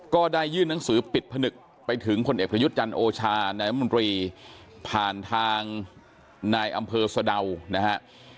ก็ได้ยื่นหนังสือปิดผนึกไปถึงคนเอกประยุทธ์จันทร์โอชานายมนตรีผ่านทางนายอำเภอสะดาวนะฮะ